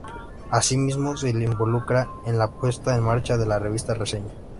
Asimismo se involucra en la puesta en marcha de la revista "Reseña".